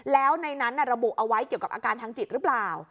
แล้วในนั้นระบุเอาไว้เกี่ยวกับอาการทางจิตหรือเปล่า